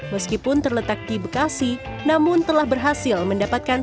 meskipun terletak di bekasi namun telah berhasil mendapatkan